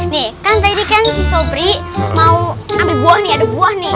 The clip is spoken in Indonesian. nih kan tadi kan sopri mau ambil buah nih ada buah nih